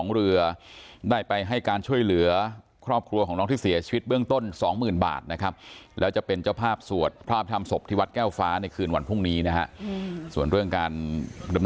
เสียใจครับก็เสียใจเลยครับผมก็มันไม่มันไม่น่าจะเกิดหรอกครับ